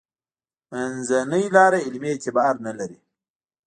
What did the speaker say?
منځنۍ لاره علمي اعتبار نه لري.